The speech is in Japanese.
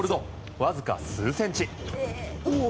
わずか数センチ。